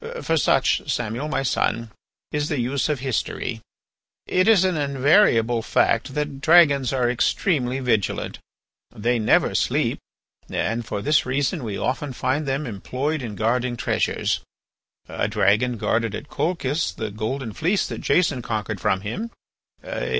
For such, Samuel, my son, is the use of history. "It is an invariable fact that dragons are extremely vigilant. They never sleep, and for this reason we often find them employed in guarding treasures. A dragon guarded at Colchis the golden fleece that Jason conquered from him.